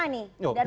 arahannya kemana nih